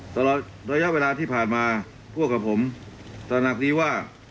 ตลอดระยะเวลาที่ผ่านมาพวกกับผมสัญลักษณ์ดีว่า